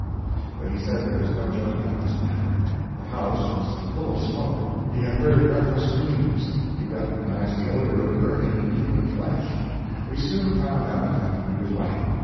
But he said there was no joke about this matter—the house was full of smoke—he had heard dreadful screams—he recognized the odor of burning human flesh. We soon found out that he was right.